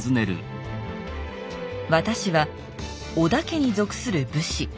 和田氏は織田家に属する武士。